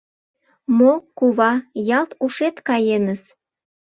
«Мо, кува, ялт ушет каеныс?